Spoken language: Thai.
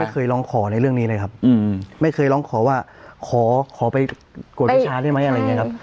เคยร้องขอในเรื่องนี้เลยครับไม่เคยร้องขอว่าขอขอไปกวดวิชาได้ไหมอะไรอย่างนี้ครับ